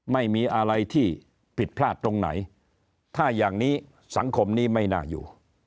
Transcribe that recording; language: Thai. ไม่มีอะไรที่ผิดพลาดตรงไหนถ้าอย่างนี้สังคมนี้ไม่น่าอยู่